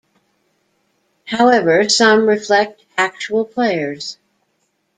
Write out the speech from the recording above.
However, some reflect actual players.